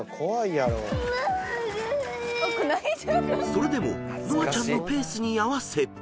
［それでものあちゃんのペースに合わせ］